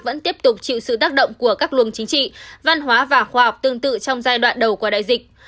vẫn tiếp tục chịu sự tác động của các luồng chính trị văn hóa và khoa học tương tự trong giai đoạn đầu của đại dịch